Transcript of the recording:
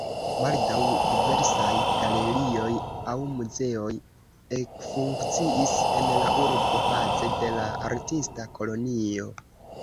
Baldaŭ diversaj galerioj aŭ muzeoj ekfunkciis en la urbo baze de la artista kolonio.